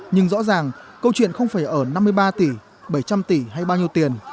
nhưng rõ ràng câu chuyện không phải ở năm mươi ba tỷ bảy trăm linh tỷ hay bao nhiêu tiền